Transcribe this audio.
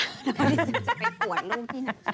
ดิเซ็นจะไปโผล่ลูกที่หน้า